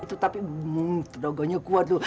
itu tapi itu tapi pedagangnya kuat loh